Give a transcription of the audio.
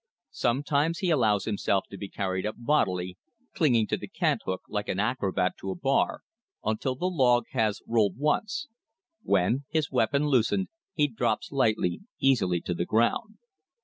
Sometimes he allows himself to be carried up bodily, clinging to the cant hook like an acrobat to a bar, until the log has rolled once; when, his weapon loosened, he drops lightly, easily to the ground.